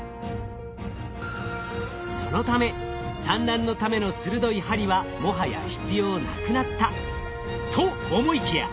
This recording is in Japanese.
そのため産卵のための鋭い針はもはや必要なくなったと思いきや。